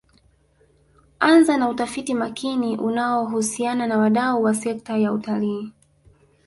Anza na utafiti makini unaohusiana na wadau wa sekta ya utalii